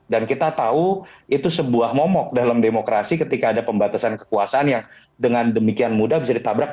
dan kita tahu itu sebuah momok dalam demokrasi ketika ada pembatasan kekuasaan yang dengan demikian mudah bisa ditabrak